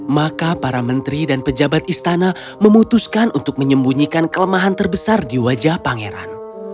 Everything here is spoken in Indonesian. maka para menteri dan pejabat istana memutuskan untuk menyembunyikan kelemahan terbesar di wajah pangeran